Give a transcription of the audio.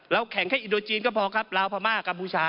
แล้วแข่งแค่อิโดรีเซียนก็พอครับลาวภามาคัมพูชา